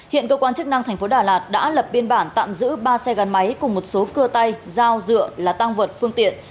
hiện cơ quan chức năng tp đà lạt đã lập biên bản tạm giữ ba xe gắn máy cùng một số cưa tay dao dựa là tăng vật phương tiện